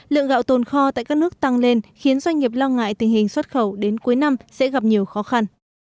lượng gạo tồn kho tại các nước tăng lên khiến doanh nghiệp lo ngại tình hình xuất khẩu đến cuối năm sẽ gặp nhiều khó khăn